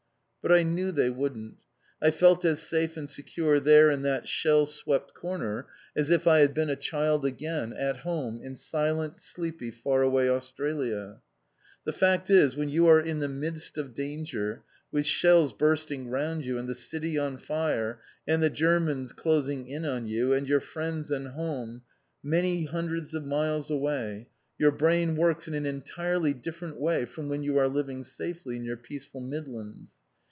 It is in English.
But I knew they wouldn't. I felt as safe and secure there in that shell swept corner as if I had been a child again, at home in silent, sleepy, far away Australia! The fact is when you are in the midst of danger, with shells bursting round you, and the city on fire, and the Germans closing in on you, and your friends and home many hundreds of miles away, your brain works in an entirely different way from when you are living safely in your peaceful Midlands.